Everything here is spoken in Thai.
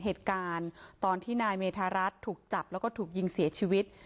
เหตุการณ์ตอนที่นายเมธารัฐถูกจับแล้วก็ถูกยิงเสียชีวิต